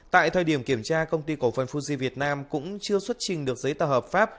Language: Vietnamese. tại thời điểm kiểm tra công ty cổ phần fuji việt nam cũng chưa xuất trình được giấy tờ hợp pháp